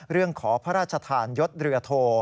เรื่องขอพระราชทานยดเรือโท